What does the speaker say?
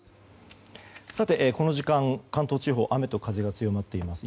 この時間、関東地方雨と風が強まっています。